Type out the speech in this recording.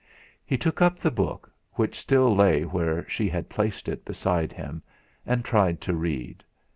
He took up the book, which still lay where she had placed it beside him, and tried to read.